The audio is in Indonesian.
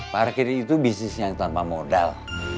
parkir itu bisnis yang tanpa modal